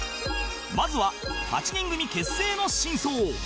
まずは８人組結成の真相